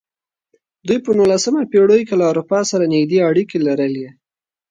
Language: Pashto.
دوی په نولسمه پېړۍ کې له اروپا سره نږدې اړیکې لرلې.